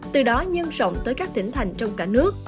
từ đó nhân rộng tới các tỉnh thành trong cả nước